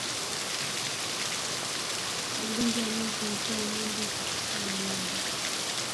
Magonjwa yanayopelekea ngombe kutupa mimba